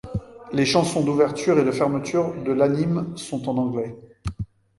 Les chansons d'ouverture et de fermeture de l'anime sont en anglais.